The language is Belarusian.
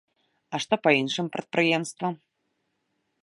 А што па іншым прадпрыемствам?